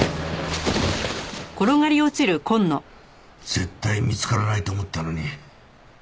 絶対見つからないと思ったのに。